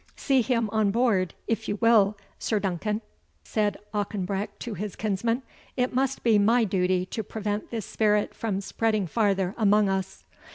"See him on board, if you will, Sir Duncan," said Auchenbreck to his kinsman; "It must be my duty to prevent this spirit from spreading farther among us."